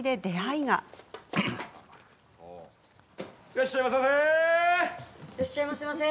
いらっしゃいませませ。